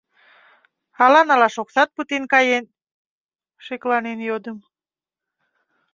Ала налаш оксат пытен каен? — шекланен йодым.